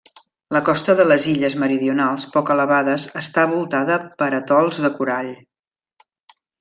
La costa de les illes meridionals, poc elevades, està voltada per atols de corall.